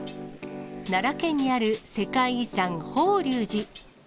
奈良県にある世界遺産、法隆寺。